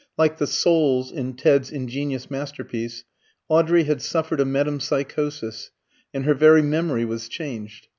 Like the "souls" in Ted's ingenious masterpiece, Audrey had suffered a metempsychosis, and her very memory was changed.